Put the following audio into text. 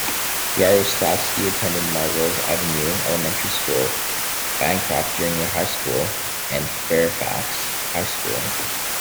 Yaroslavsky attended Melrose Avenue Elementary School, Bancroft Junior High School and Fairfax High School.